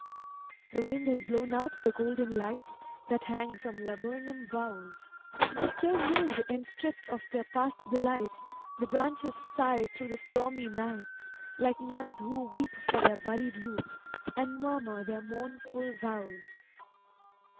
The wind has blown out the golden lights That hang from laburnum boughs, Till nude and stripped of their past delights The branches sigh through the stormy nights, Like nuns who weep for their buried youth, And murmur their mournful vows.